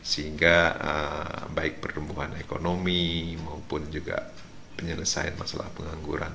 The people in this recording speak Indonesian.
sehingga baik pertumbuhan ekonomi maupun juga penyelesaian masalah pengangguran